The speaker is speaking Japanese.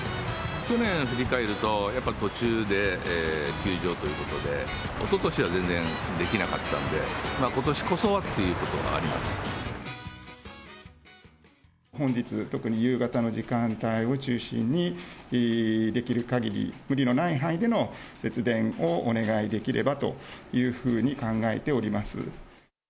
去年振り返ると、やっぱり途中で休場ということで、おととしは全然できなかったんで、ことしこそはっていうこともあり本日、特に夕方の時間帯を中心に、できるかぎり、無理のない範囲での節電をお願いできればというふうに考えております。